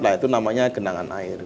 nah itu namanya genangan air